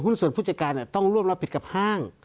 หุ้นส่วนผู้จัดการต้องร่วมรับผิดกับห้าง